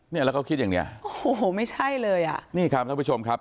เนี่ยแล้วเขาคิดอย่างเนี้ยโอ้โหไม่ใช่เลยอ่ะนี่ครับท่านผู้ชมครับ